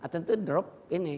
tentu drop ini